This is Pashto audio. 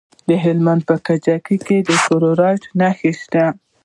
د هلمند په کجکي کې د فلورایټ نښې شته.